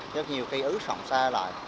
rất nhiều khi ứ sọng xa lại